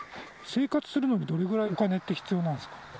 生活するのにどれぐらいお金って必要なんですか？